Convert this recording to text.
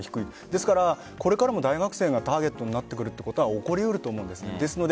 ですからこれからも大学生がターゲットになってくることは起こりうると思うんです。